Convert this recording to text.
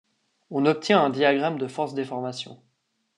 On obtient un diagramme de force-déformation.